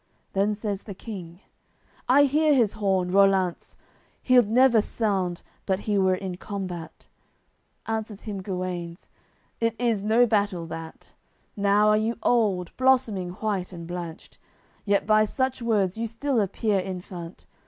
Then says the King: "I hear his horn, Rollant's; He'ld never sound, but he were in combat." Answers him Guenes "It is no battle, that. Now are you old, blossoming white and blanched, Yet by such words you still appear infant.